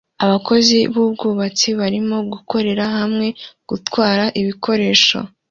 Abakozi b'ubwubatsi barimo gukorera hamwe gutwara ibikoresho